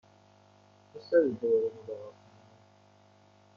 دوست دارید دوباره ملاقات کنید؟